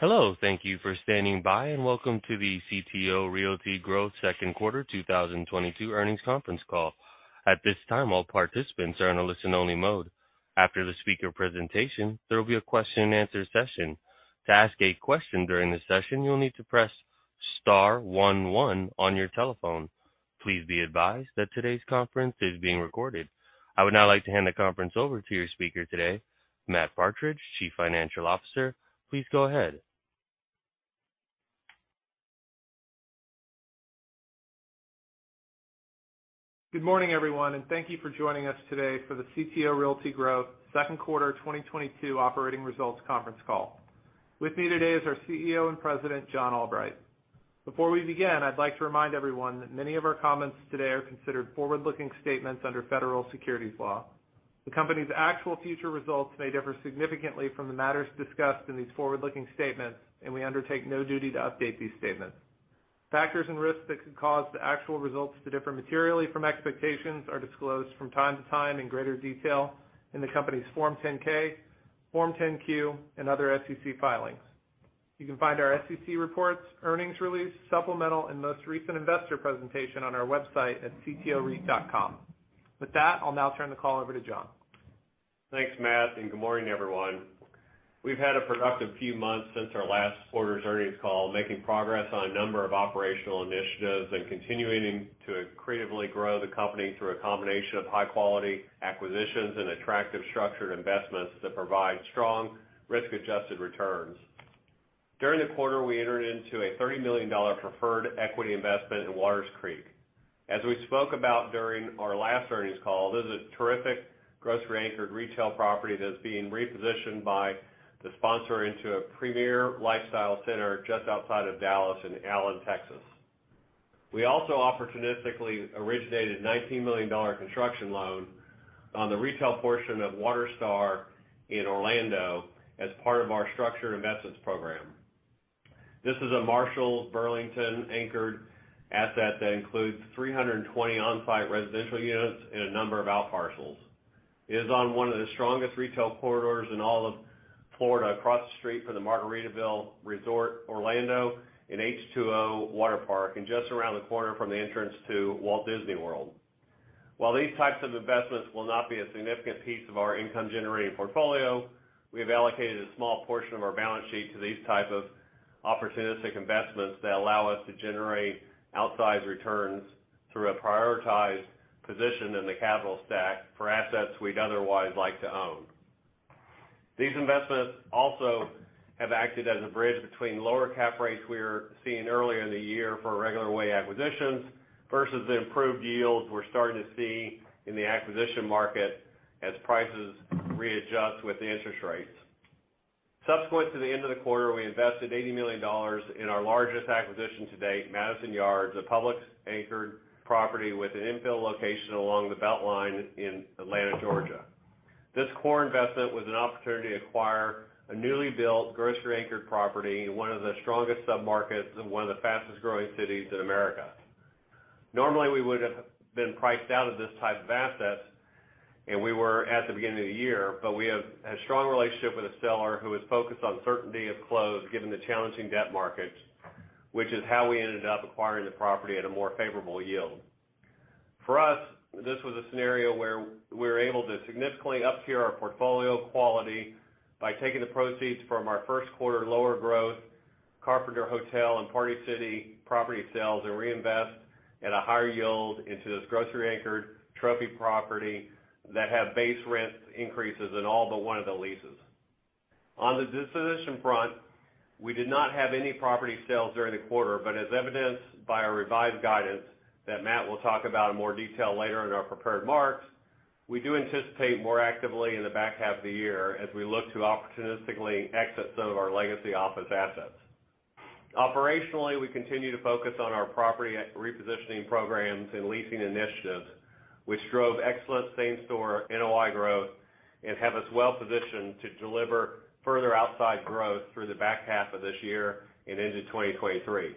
Hello. Thank you for standing by, and welcome to the CTO Realty Growth second quarter 2022 earnings conference call. At this time, all participants are in a listen only mode. After the speaker presentation, there will be a question-and-answer session. To ask a question during the session, you'll need to press star one one on your telephone. Please be advised that today's conference is being recorded. I would now like to hand the conference over to your speaker today, Matt Partridge, Chief Financial Officer. Please go ahead. Good morning, everyone, and thank you for joining us today for the CTO Realty Growth second quarter 2022 operating results conference call. With me today is our CEO and President, John Albright. Before we begin, I'd like to remind everyone that many of our comments today are considered forward-looking statements under federal securities law. The company's actual future results may differ significantly from the matters discussed in these forward-looking statements, and we undertake no duty to update these statements. Factors and risks that could cause the actual results to differ materially from expectations are disclosed from time to time in greater detail in the company's Form 10-K, Form 10-Q and other SEC filings. You can find our SEC reports, earnings release, supplemental and most recent investor presentation on our website at ctoreit.com. With that, I'll now turn the call over to John. Thanks, Matt, and good morning, everyone. We've had a productive few months since our last quarter's earnings call, making progress on a number of operational initiatives and continuing to creatively grow the company through a combination of high quality acquisitions and attractive structured investments that provide strong risk-adjusted returns. During the quarter, we entered into a $30 million preferred equity investment in Watters Creek. As we spoke about during our last earnings call, this is a terrific grocery-anchored retail property that's being repositioned by the sponsor into a premier lifestyle center just outside of Dallas in Allen, Texas. We also opportunistically originated $19 million construction loan on the retail portion of WaterStar in Orlando as part of our structured investments program. This is a Marshalls and Burlington-anchored asset that includes 320 on-site residential units and a number of out parcels. It is on one of the strongest retail corridors in all of Florida, across the street from the Margaritaville Resort Orlando and H2O Water Park, and just around the corner from the entrance to Walt Disney World. While these types of investments will not be a significant piece of our income generating portfolio, we have allocated a small portion of our balance sheet to these type of opportunistic investments that allow us to generate outsized returns through a prioritized position in the capital stack for assets we'd otherwise like to own. These investments also have acted as a bridge between lower cap rates we were seeing earlier in the year for regular way acquisitions versus the improved yields we're starting to see in the acquisition market as prices readjust with the interest rates. Subsequent to the end of the quarter, we invested $80 million in our largest acquisition to date, Madison Yards, a Publix-anchored property with an infill location along the BeltLine in Atlanta, Georgia. This core investment was an opportunity to acquire a newly built grocery-anchored property in one of the strongest submarkets in one of the fastest-growing cities in America. Normally, we would have been priced out of this type of asset, and we were at the beginning of the year. We have a strong relationship with the seller who is focused on certainty of close given the challenging debt market, which is how we ended up acquiring the property at a more favorable yield. For us, this was a scenario where we were able to significantly up tier our portfolio quality by taking the proceeds from our first quarter lower growth Carpenter Hotel and Party City property sales and reinvest at a higher yield into this grocery-anchored trophy property that had base rent increases in all but one of the leases. On the disposition front, we did not have any property sales during the quarter. As evidenced by our revised guidance that Matt will talk about in more detail later in our prepared remarks, we do anticipate more actively in the back half of the year as we look to opportunistically exit some of our legacy office assets. Operationally, we continue to focus on our property repositioning programs and leasing initiatives, which drove excellent same store NOI growth and have us well positioned to deliver further upside growth through the back half of this year and into 2023.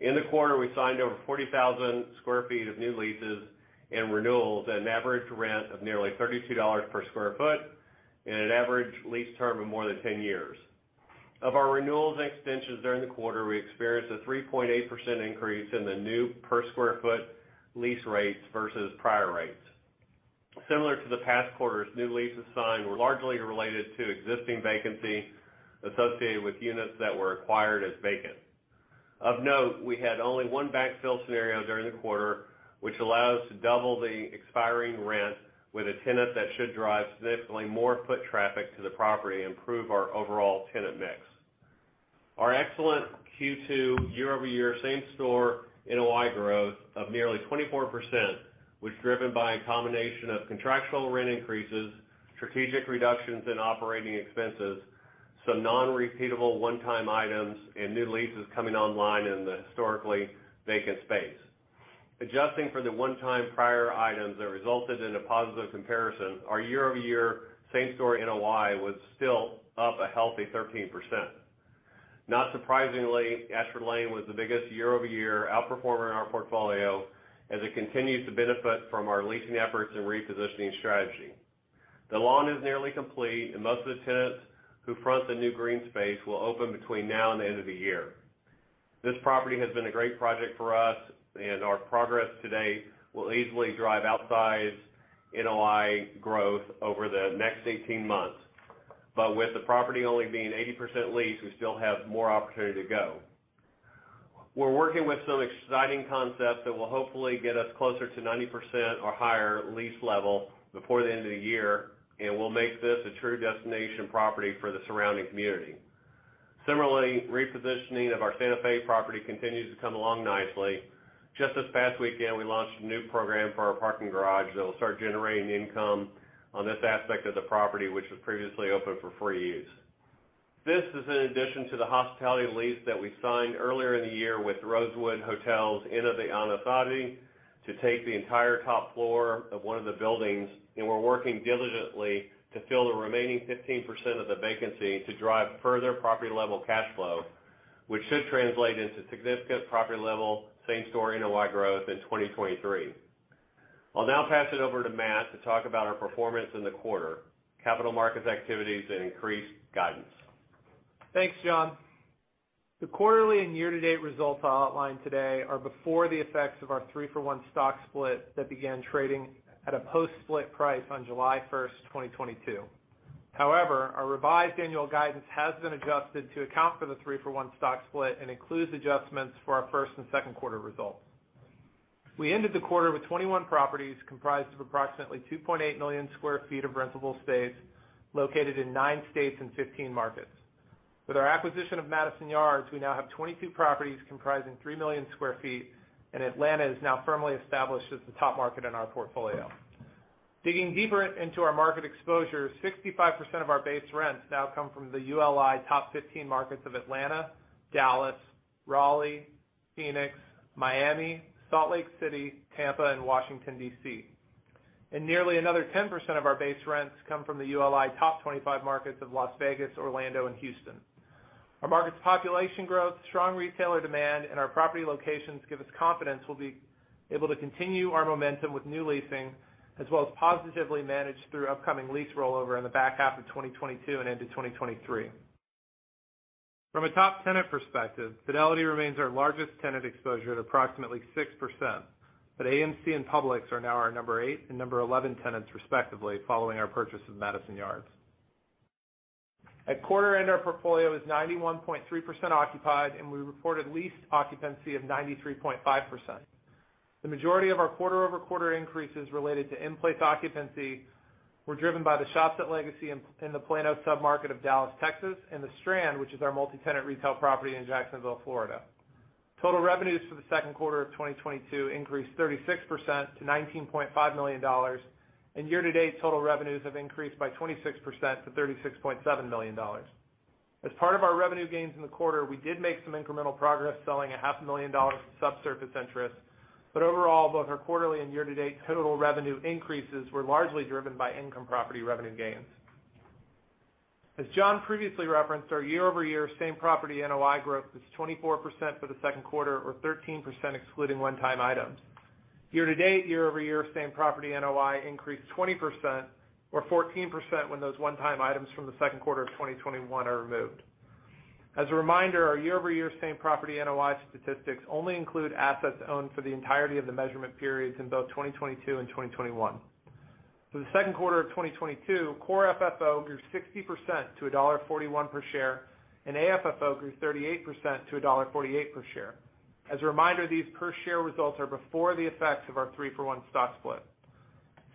In the quarter, we signed over 40,000 sq ft of new leases and renewals at an average rent of nearly $32 per sq ft and an average lease term of more than 10 years. Of our renewals and extensions during the quarter, we experienced a 3.8% increase in the new per sq ft lease rates versus prior rates. Similar to the past quarters, new leases signed were largely related to existing vacancy associated with units that were acquired as vacant. Of note, we had only one backfill scenario during the quarter, which allowed us to double the expiring rent with a tenant that should drive significantly more foot traffic to the property and improve our overall tenant mix. Our excellent Q2 year-over-year same store NOI growth of nearly 24% was driven by a combination of contractual rent increases, strategic reductions in operating expenses, some non-repeatable one-time items and new leases coming online in the historically vacant space. Adjusting for the one-time prior items that resulted in a positive comparison, our year-over-year same store NOI was still up a healthy 13%. Not surprisingly, Ashford Lane was the biggest year-over-year outperformer in our portfolio as it continues to benefit from our leasing efforts and repositioning strategy. The lawn is nearly complete, and most of the tenants who front the new green space will open between now and the end of the year. This property has been a great project for us, and our progress to date will easily drive outsized NOI growth over the next 18 months. With the property only being 80% leased, we still have more opportunity to go. We're working with some exciting concepts that will hopefully get us closer to 90% or higher lease level before the end of the year, and will make this a true destination property for the surrounding community. Similarly, repositioning of our Santa Fe property continues to come along nicely. Just this past weekend, we launched a new program for our parking garage that will start generating income on this aspect of the property, which was previously open for free use. This is in addition to the hospitality lease that we signed earlier in the year with Rosewood Inn of the Anasazi to take the entire top floor of one of the buildings, and we're working diligently to fill the remaining 15% of the vacancy to drive further property-level cash flow, which should translate into significant property-level same-store NOI growth in 2023. I'll now pass it over to Matt to talk about our performance in the quarter, capital markets activities, and increased guidance. Thanks, John. The quarterly and year-to-date results I'll outline today are before the effects of our three-for-one stock split that began trading at a post-split price on July 1, 2022. However, our revised annual guidance has been adjusted to account for the three-for-one stock split and includes adjustments for our first and second quarter results. We ended the quarter with 21 properties comprised of approximately 2.8 million sq ft of rentable space located in nine states and 15 markets. With our acquisition of Madison Yards, we now have 22 properties comprising 3 million sq ft, and Atlanta is now firmly established as the top market in our portfolio. Digging deeper into our market exposure, 65% of our base rents now come from the ULI top 15 markets of Atlanta, Dallas, Raleigh, Phoenix, Miami, Salt Lake City, Tampa, and Washington, D.C. Nearly another 10% of our base rents come from the ULI top 25 markets of Las Vegas, Orlando, and Houston. Our markets' population growth, strong retailer demand, and our property locations give us confidence we'll be able to continue our momentum with new leasing, as well as positively manage through upcoming lease rollover in the back half of 2022 and into 2023. From a top tenant perspective, Fidelity remains our largest tenant exposure at approximately 6%, but AMC and Publix are now our number eight and number 11 tenants respectively following our purchase of Madison Yards. At quarter end, our portfolio is 91.3% occupied, and we reported leased occupancy of 93.5%. The majority of our quarter-over-quarter increases related to in-place occupancy were driven by The Shops at Legacy in the Plano submarket of Dallas, Texas, and The Strand, which is our multi-tenant retail property in Jacksonville, Florida. Total revenues for the second quarter of 2022 increased 36% to $19.5 million, and year-to-date total revenues have increased by 26% to $36.7 million. As part of our revenue gains in the quarter, we did make some incremental progress selling half a million dollars in subsurface interest. Overall, both our quarterly and year-to-date total revenue increases were largely driven by income property revenue gains. As John previously referenced, our year-over-year same property NOI growth was 24% for the second quarter, or 13% excluding one-time items. Year-to-date, year-over-year same property NOI increased 20%, or 14% when those one-time items from the second quarter of 2021 are removed. As a reminder, our year-over-year same property NOI statistics only include assets owned for the entirety of the measurement periods in both 2022 and 2021. For the second quarter of 2022, core FFO grew 60% to $1.41 per share, and AFFO grew 38% to $1.48 per share. As a reminder, these per share results are before the effects of our three-for-one stock split.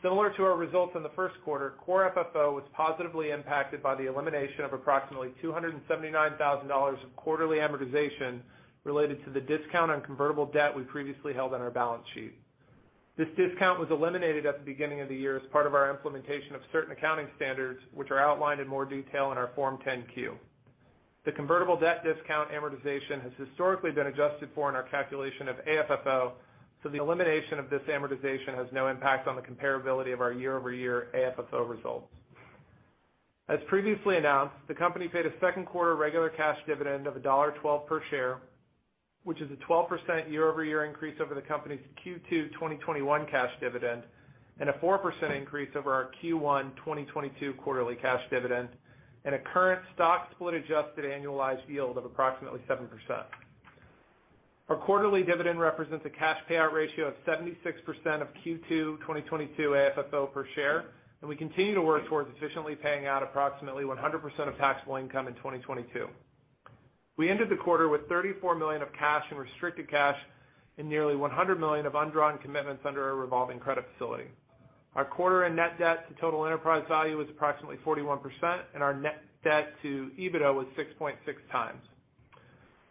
Similar to our results in the first quarter, core FFO was positively impacted by the elimination of approximately $279,000 of quarterly amortization related to the discount on convertible debt we previously held on our balance sheet. This discount was eliminated at the beginning of the year as part of our implementation of certain accounting standards, which are outlined in more detail in our Form 10-Q. The convertible debt discount amortization has historically been adjusted for in our calculation of AFFO, so the elimination of this amortization has no impact on the comparability of our year-over-year AFFO results. As previously announced, the company paid a second quarter regular cash dividend of $1.12 per share, which is a 12% year-over-year increase over the company's Q2 2021 cash dividend, and a 4% increase over our Q1 2022 quarterly cash dividend, and a current stock split adjusted annualized yield of approximately 7%. Our quarterly dividend represents a cash payout ratio of 76% of Q2 2022 AFFO per share, and we continue to work towards efficiently paying out approximately 100% of taxable income in 2022. We ended the quarter with $34 million of cash and restricted cash and nearly $100 million of undrawn commitments under our revolving credit facility. Our quarter-end net debt to total enterprise value was approximately 41%, and our net debt to EBITDA was 6.6x.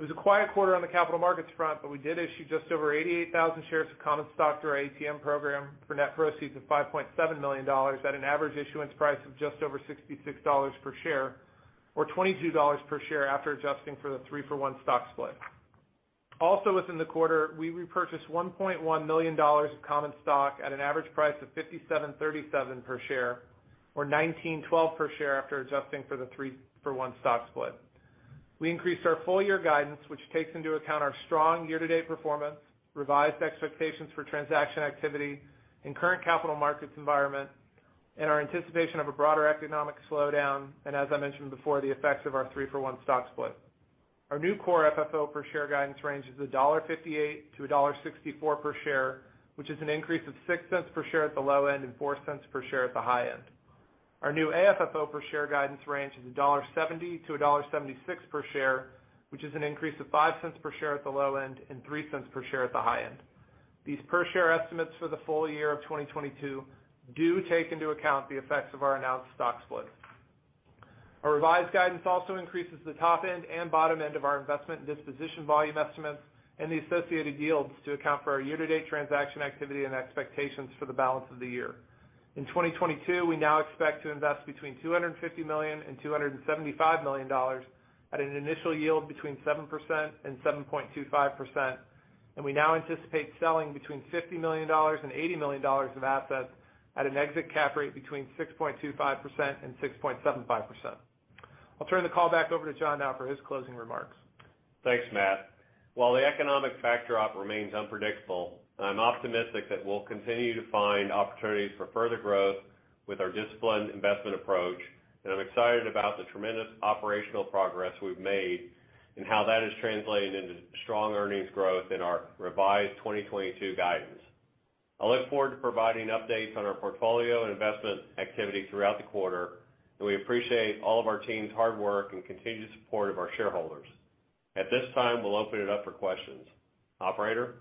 It was a quiet quarter on the capital markets front, but we did issue just over 88,000 shares of common stock through our ATM program for net proceeds of $5.7 million at an average issuance price of just over $66 per share, or $22 per share after adjusting for the three-for-one stock split. Also within the quarter, we repurchased $1.1 million of common stock at an average price of $57.37 per share, or $19.12 per share after adjusting for the three-for-one stock split. We increased our full year guidance, which takes into account our strong year-to-date performance, revised expectations for transaction activity and current capital markets environment and our anticipation of a broader economic slowdown, and as I mentioned before, the effects of our three-for-one stock split. Our new core FFO per share guidance range is $1.58-$1.64 per share, which is an increase of $0.06 per share at the low end and $0.04 per share at the high end. Our new AFFO per share guidance range is $1.70-$1.76 per share, which is an increase of $0.05 per share at the low end and $0.03 per share at the high end. These per share estimates for the full year of 2022 do take into account the effects of our announced stock split. Our revised guidance also increases the top end and bottom end of our investment disposition volume estimates and the associated yields to account for our year-to-date transaction activity and expectations for the balance of the year. In 2022, we now expect to invest between $250 million and $275 million at an initial yield between 7% and 7.25%. We now anticipate selling between $50 million and $80 million of assets at an exit cap rate between 6.25% and 6.75%. I'll turn the call back over to John now for his closing remarks. Thanks, Matt. While the economic backdrop remains unpredictable, I'm optimistic that we'll continue to find opportunities for further growth with our disciplined investment approach. I'm excited about the tremendous operational progress we've made and how that is translating into strong earnings growth in our revised 2022 guidance. I look forward to providing updates on our portfolio and investment activity throughout the quarter, and we appreciate all of our team's hard work and continued support of our shareholders. At this time, we'll open it up for questions. Operator?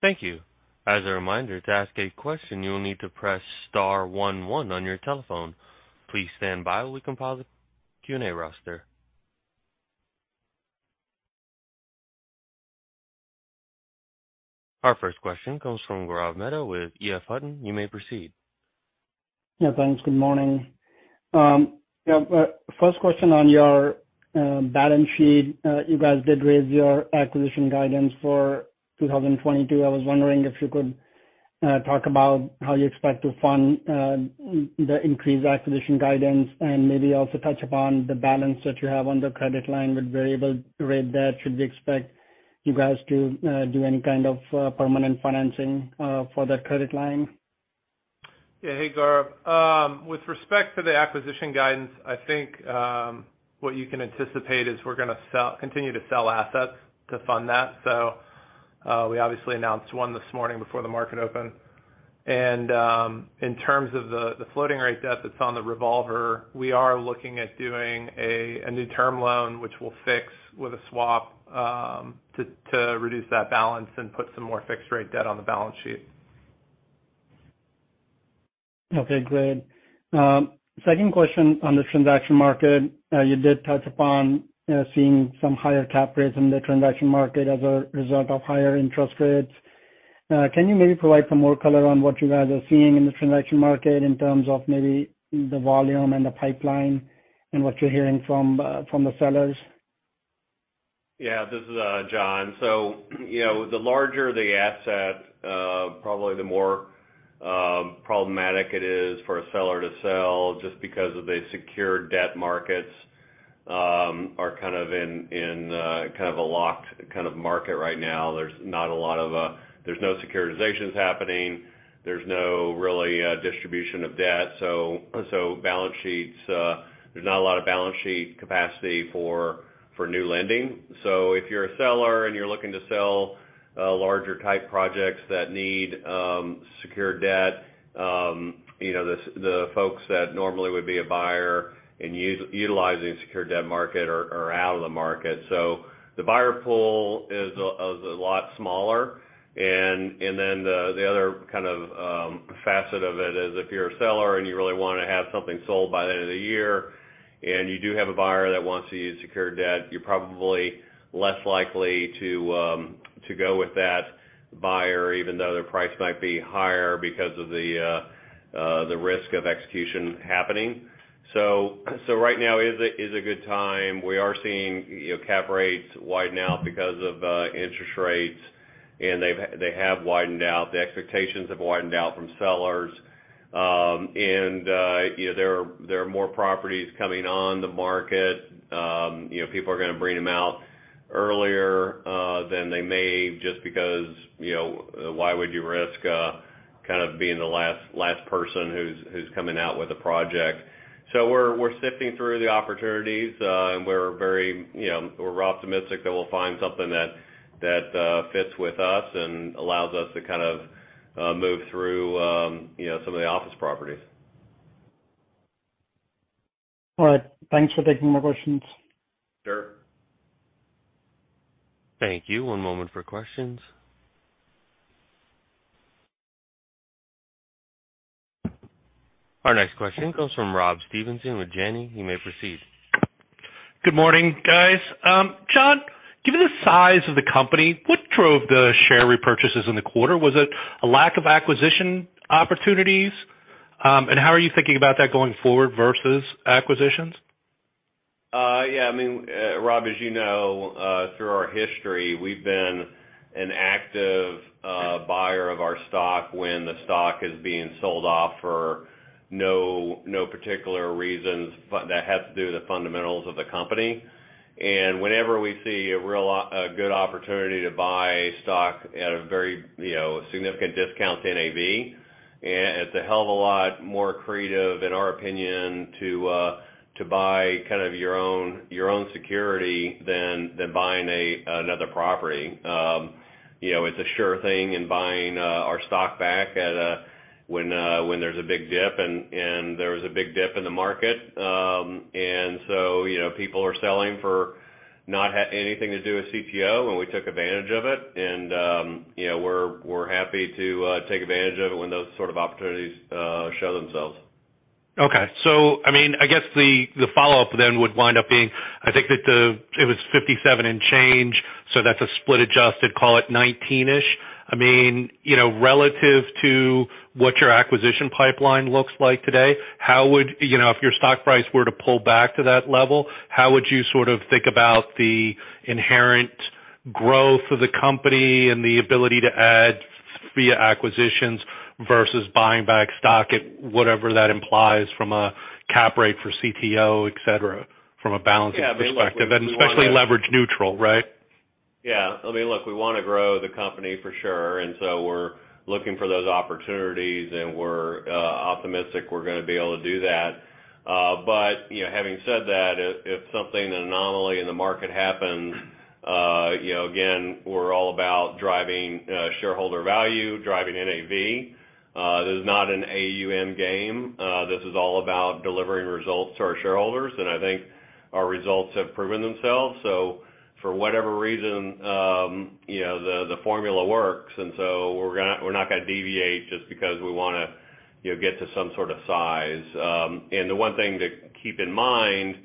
Thank you. As a reminder, to ask a question, you will need to press star one one on your telephone. Please stand by while we compile the Q&A roster. Our first question comes from Gaurav Mehta with EF Hutton. You may proceed. Yeah, thanks. Good morning. First question on your balance sheet. You guys did raise your acquisition guidance for 2022. I was wondering if you could talk about how you expect to fund the increased acquisition guidance and maybe also touch upon the balance that you have on the credit line with variable rate debt. Should we expect you guys to do any kind of permanent financing for that credit line? Yeah. Hey, Gaurav. With respect to the acquisition guidance, I think what you can anticipate is we're gonna continue to sell assets to fund that. We obviously announced one this morning before the market opened. In terms of the floating rate debt that's on the revolver, we are looking at doing a new term loan which we'll fix with a swap to reduce that balance and put some more fixed rate debt on the balance sheet. Okay, great. Second question on the transaction market. You did touch upon seeing some higher cap rates in the transaction market as a result of higher interest rates. Can you maybe provide some more color on what you guys are seeing in the transaction market in terms of maybe the volume and the pipeline and what you're hearing from the sellers? Yeah. This is John Albright. You know, the larger the asset, probably the more problematic it is for a seller to sell just because of the secured debt markets are kind of in kind of a locked kind of market right now. There's not a lot of. There's no securitizations happening. There's no real distribution of debt, so balance sheets, there's not a lot of balance sheet capacity for new lending. If you're a seller and you're looking to sell larger type projects that need secured debt, you know, the folks that normally would be a buyer and utilizing secured debt market are out of the market. The buyer pool is a lot smaller. The other kind of facet of it is if you're a seller and you really wanna have something sold by the end of the year, and you do have a buyer that wants to use secured debt, you're probably less likely to go with that buyer, even though their price might be higher because of the risk of execution happening. Right now is a good time. We are seeing, you know, cap rates widen out because of interest rates, and they have widened out. The expectations have widened out from sellers. You know, there are more properties coming on the market. You know, people are gonna bring them out earlier than they may just because, you know, why would you risk kind of being the last person who's coming out with a project. We're sifting through the opportunities. We're very, you know, optimistic that we'll find something that fits with us and allows us to kind of move through, you know, some of the office properties. All right. Thanks for taking my questions. Sure. Thank you. One moment for questions. Our next question comes from Rob Stevenson with Janney. You may proceed. Good morning, guys. John, given the size of the company, what drove the share repurchases in the quarter? Was it a lack of acquisition opportunities? How are you thinking about that going forward versus acquisitions? Yeah. I mean, Rob, as you know, through our history, we've been an active buyer of our stock when the stock is being sold off for no particular reasons that has to do with the fundamentals of the company. Whenever we see a good opportunity to buy stock at a very, you know, significant discount to NAV, and it's a hell of a lot more accretive, in our opinion, to buy kind of your own security than buying another property. You know, it's a sure thing in buying our stock back at a when there's a big dip, and there was a big dip in the market. You know, people are selling for not having anything to do with CTO, and we took advantage of it. You know, we're happy to take advantage of it when those sort of opportunities show themselves. Okay. I mean, I guess the follow-up then would wind up being, I think it was $57 and change, so that's a split adjusted, call it $19-ish. I mean, you know, relative to what your acquisition pipeline looks like today, how would, you know, if your stock price were to pull back to that level, how would you sort of think about the inherent growth of the company and the ability to add via acquisitions versus buying back stock at whatever that implies from a cap rate for CTO, et cetera, from a balancing perspective? Yeah, I mean, look, we wanna. Especially leverage neutral, right? Yeah. I mean, look, we wanna grow the company for sure, and so we're looking for those opportunities, and we're optimistic we're gonna be able to do that. You know, having said that, if something, an anomaly in the market happens, you know, again, we're all about driving shareholder value, driving NAV. This is not an AUM game. This is all about delivering results to our shareholders, and I think our results have proven themselves. For whatever reason, you know, the formula works, and so we're not gonna deviate just because we wanna, you know, get to some sort of size. The one thing to keep in mind,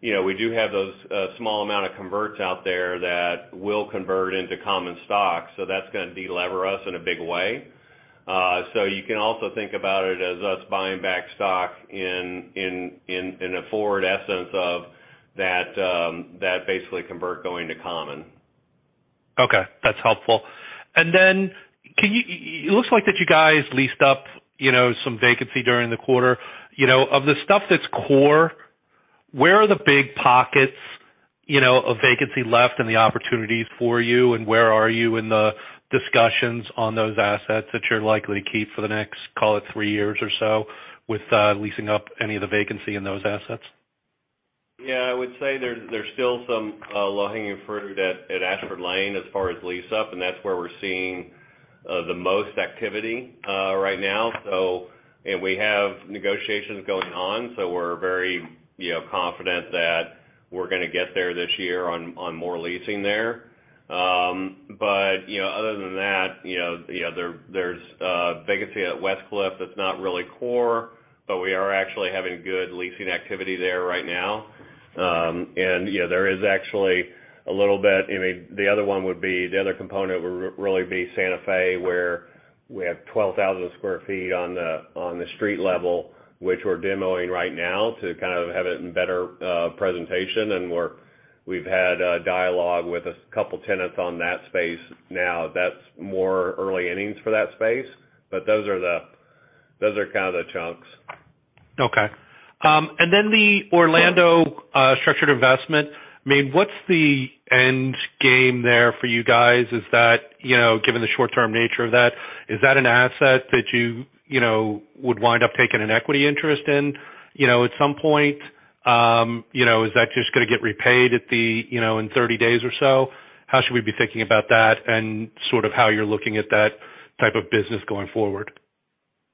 you know, we do have those small amount of converts out there that will convert into common stock, so that's gonna delever us in a big way. So you can also think about it as us buying back stock in a forward sense of that basically convert going to common. Okay, that's helpful. Then can you? It looks like that you guys leased up, you know, some vacancy during the quarter. You know, of the stuff that's core, where are the big pockets, you know, of vacancy left and the opportunities for you, and where are you in the discussions on those assets that you're likely to keep for the next, call it three years or so, with leasing up any of the vacancy in those assets? Yeah. I would say there's still some low-hanging fruit at Ashford Lane as far as lease up, and that's where we're seeing the most activity right now. We have negotiations going on, so we're very, you know, confident that we're gonna get there this year on more leasing there. You know, other than that, you know, there's vacancy at Westcliff that's not really core, but we are actually having good leasing activity there right now. You know, there is actually a little bit. I mean, the other component would really be Santa Fe, where we have 12,000 sq ft on the street level, which we're demoing right now to kind of have it in better presentation. We've had dialogue with a couple tenants on that space now. That's more early innings for that space, but those are kind of the chunks. Okay. The Orlando structured investment, I mean, what's the end game there for you guys? Is that, you know, given the short-term nature of that, is that an asset that you know, would wind up taking an equity interest in, you know, at some point? You know, is that just gonna get repaid at the, you know, in 30 days or so? How should we be thinking about that and sort of how you're looking at that type of business going forward? Yeah.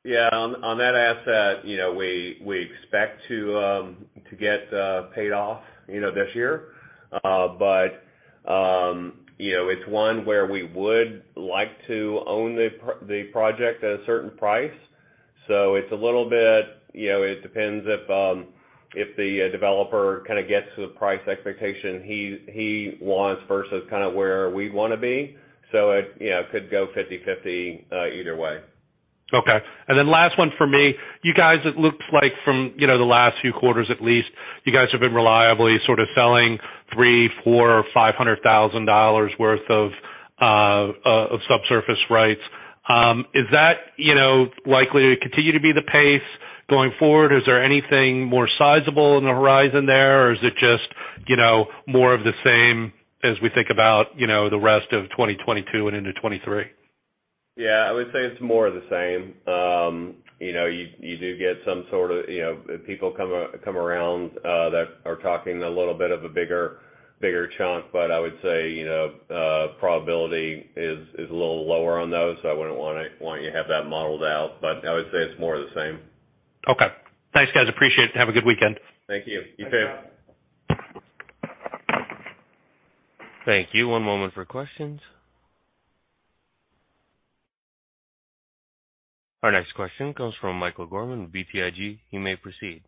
On that asset, you know, we expect to get paid off, you know, this year. It's one where we would like to own the project at a certain price. It's a little bit. You know, it depends if the developer kind of gets to the price expectation he wants versus kind of where we'd wanna be. It, you know, could go 50-50, either way. Okay. Last one for me. You guys, it looks like from, you know, the last few quarters at least, you guys have been reliably sort of selling three, four, $500,000 worth of subsurface rights. Is that, you know, likely to continue to be the pace going forward? Is there anything more sizable on the horizon there? Or is it just, you know, more of the same as we think about, you know, the rest of 2022 and into 2023? Yeah. I would say it's more of the same. You know, you do get some sort of, you know people come around, that are talking a little bit of a bigger chunk, but I would say, you know, probability is a little lower on those, so I wouldn't want you to have that modeled out. I would say it's more of the same. Okay. Thanks, guys, appreciate it. Have a good weekend. Thank you. You too. Thank you. One moment for questions. Our next question comes from Michael Gorman with BTIG. You may proceed.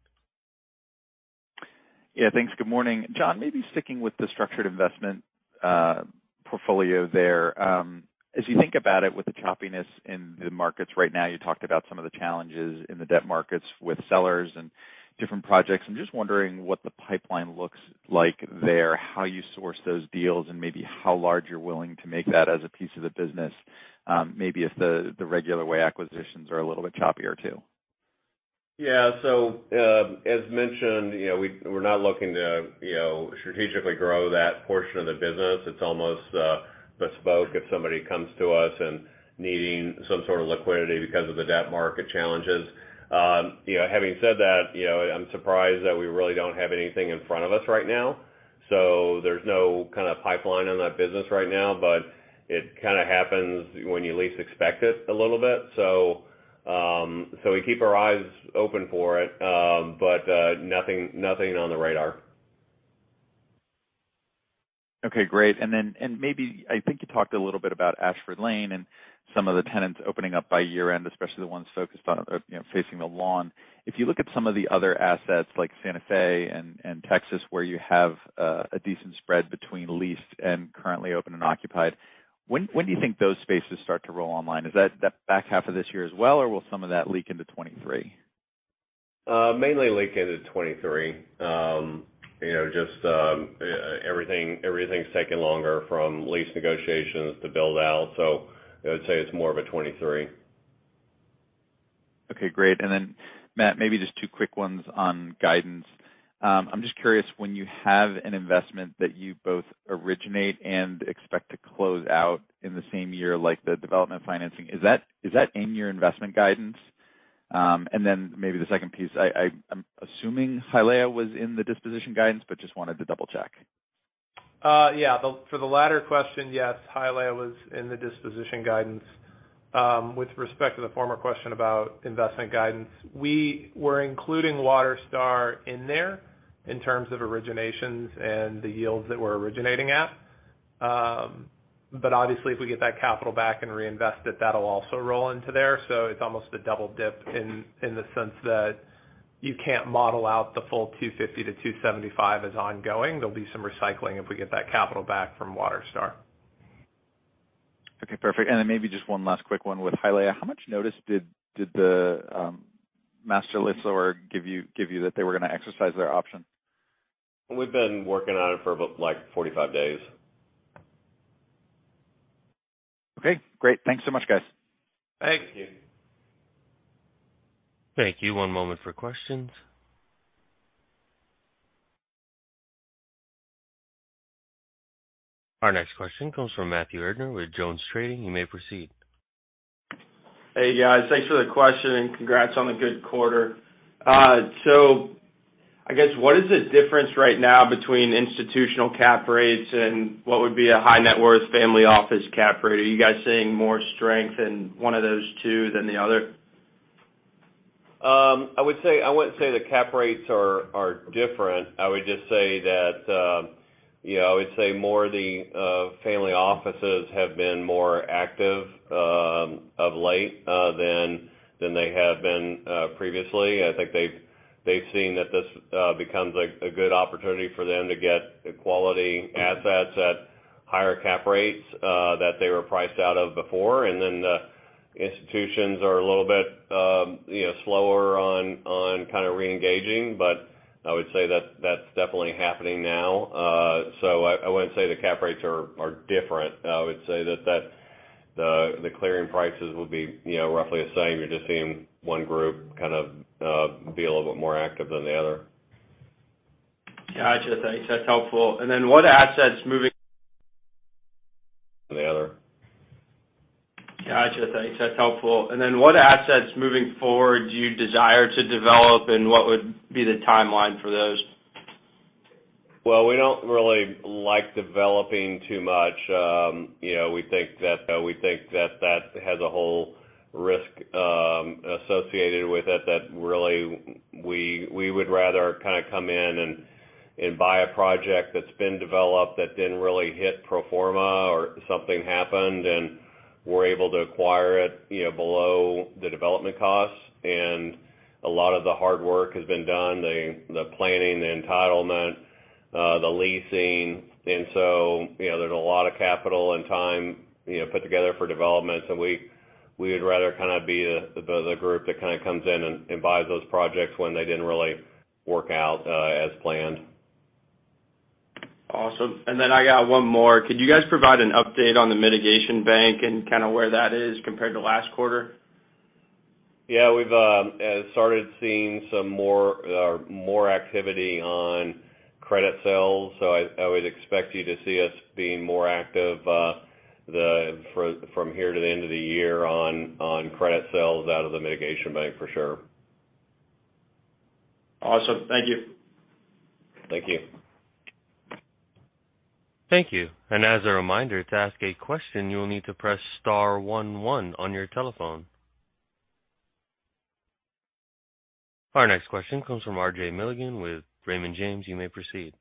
Yeah, thanks. Good morning. John, maybe sticking with the structured investment portfolio there. As you think about it with the choppiness in the markets right now, you talked about some of the challenges in the debt markets with sellers and different projects. I'm just wondering what the pipeline looks like there, how you source those deals and maybe how large you're willing to make that as a piece of the business, maybe if the regular way acquisitions are a little bit choppier too. As mentioned, you know, we're not looking to, you know, strategically grow that portion of the business. It's almost bespoke if somebody comes to us and needing some sort of liquidity because of the debt market challenges. You know, having said that, you know, I'm surprised that we really don't have anything in front of us right now. There's no kind of pipeline in that business right now, but it kinda happens when you least expect it a little bit. We keep our eyes open for it, but nothing on the radar. Okay, great. Maybe, I think you talked a little bit about Ashford Lane and some of the tenants opening up by year-end, especially the ones focused on, you know, facing the lawn. If you look at some of the other assets like Santa Fe and Texas, where you have a decent spread between leased and currently open and occupied, when do you think those spaces start to roll online? Is that the back half of this year as well, or will some of that leak into 2023? Mainly bleed into 2023. You know, just, everything's taking longer from lease negotiations to build out. I would say it's more of a 2023. Okay, great. Then Matt, maybe just two quick ones on guidance. I'm just curious, when you have an investment that you both originate and expect to close out in the same year, like the development financing, is that in your investment guidance? Then maybe the second piece, I'm assuming Hialeah was in the disposition guidance, but just wanted to double-check. Yeah. For the latter question, yes, Hialeah was in the disposition guidance. With respect to the former question about investment guidance, we were including WaterStar Orlando in there in terms of originations and the yields that we're originating at. But obviously, if we get that capital back and reinvest it, that'll also roll into there. It's almost a double dip in the sense that you can't model out the full $250-$275 as ongoing. There'll be some recycling if we get that capital back from WaterStar Orlando. Okay, perfect. Then maybe just one last quick one with Hialeah. How much notice did the master lessor give you that they were gonna exercise their option? We've been working on it for about, like, 45 days. Okay, great. Thanks so much, guys. Thank you. Thank you. One moment for questions. Our next question comes from Matthew Erdner with JonesTrading. You may proceed. Hey, guys. Thanks for the question, and congrats on a good quarter. I guess, what is the difference right now between institutional cap rates and what would be a high net worth family office cap rate? Are you guys seeing more strength in one of those two than the other? I wouldn't say the cap rates are different. I would just say that, you know, I would say more of the family offices have been more active of late than they have been previously. I think they've seen that this becomes a good opportunity for them to get quality assets at higher cap rates that they were priced out of before. The institutions are a little bit, you know, slower on kind of re-engaging, but I would say that's definitely happening now. I wouldn't say the cap rates are different. I would say that the clearing prices would be, you know, roughly the same. You're just seeing one group kind of be a little bit more active than the other. Gotcha. Thanks. That's helpful. What assets moving- The other. Gotcha. Thanks. That's helpful. What assets moving forward do you desire to develop, and what would be the timeline for those? Well, we don't really like developing too much. You know, we think that that has a whole risk associated with it that really we would rather kind of come in and buy a project that's been developed that didn't really hit pro forma or something happened, and we're able to acquire it, you know, below the development costs. A lot of the hard work has been done, the planning, the entitlement, the leasing. You know, there's a lot of capital and time, you know, put together for development. We would rather kind of be the group that kind of comes in and buys those projects when they didn't really work out as planned. Awesome. I got one more. Could you guys provide an update on the mitigation bank and kind of where that is compared to last quarter? Yeah. We've started seeing some more activity on credit sales. I would expect you to see us being more active from here to the end of the year on credit sales out of the mitigation bank for sure. Awesome. Thank you. Thank you. Thank you. As a reminder, to ask a question, you will need to press star one one on your telephone. Our next question comes from R.J. Milligan with Raymond James. You may proceed.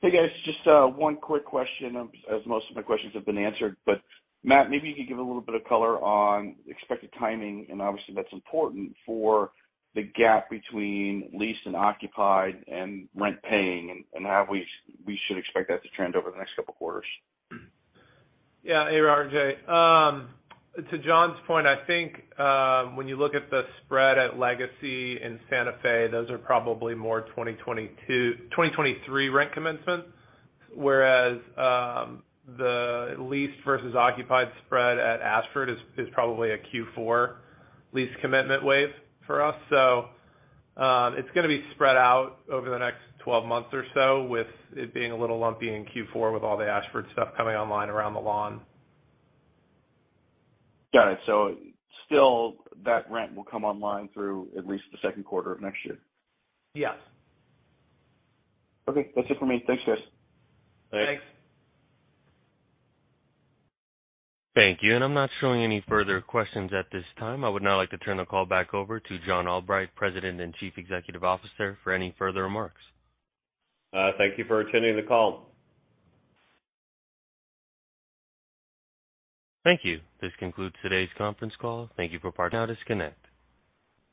Hey, guys. Just one quick question, as most of my questions have been answered. Matt, maybe you could give a little bit of color on expected timing, and obviously that's important for the gap between leased and occupied and rent paying and how we should expect that to trend over the next couple of quarters. Yeah. Hey, RJ. To John's point, I think, when you look at the spread at Legacy in Santa Fe, those are probably more 2022-2023 rent commencement, whereas, the leased versus occupied spread at Ashford is probably a Q4 lease commitment wave for us. It's gonna be spread out over the next 12 months or so, with it being a little lumpy in Q4 with all the Ashford stuff coming online around the lawn. Got it. Still that rent will come online through at least the second quarter of next year. Yes. Okay. That's it for me. Thanks, guys. Thanks. Thanks. Thank you. I'm not showing any further questions at this time. I would now like to turn the call back over to John Albright, President and Chief Executive Officer, for any further remarks. Thank you for attending the call. Thank you. This concludes today's conference call. Thank you for participating. You may now disconnect.